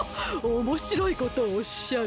おもしろいことをおっしゃる。